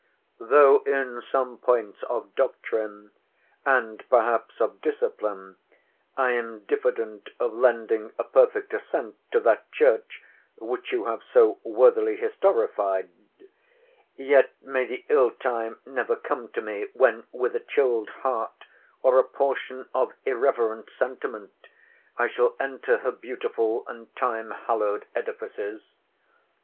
Though in some points of doctrine, and perhaps of discipline I am diffident of lending a perfect assent to that church which you have so worthily historified, yet may the ill time never come to me, when with a chilled heart, or a portion of irreverent sentiment, I shall enter her beautiful and time hallowed Edifices.